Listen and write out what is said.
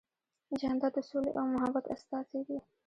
جانداد د سولې او محبت استازی دی.